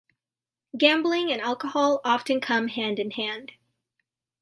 Gambling and alcohol often come hand in hand.